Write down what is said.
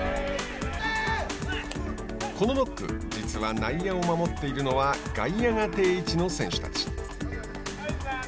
このノック実は内野を守っているのは外野が定位置の選手たち。